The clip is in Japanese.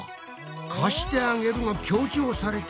「貸してあげる」が強調されているぞ。